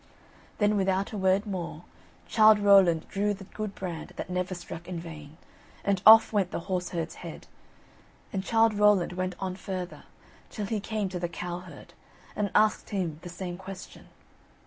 Then, without a word more, Childe Rowland drew the good brand that never struck in vain, and off went the horse herd's head, and Childe Rowland went on further, till he came to the cow herd, and asked him the same question.